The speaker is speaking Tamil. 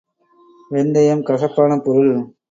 வெந்தயம் கசப்பான பொருள்.